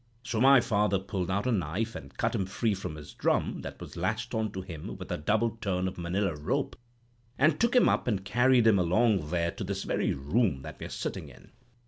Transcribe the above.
So my father pulled out a knife, and cut him free from his drum—that was lashed on to him with a double turn of Manila rope—and took him up and carried him along here to this very room that we're sitting in.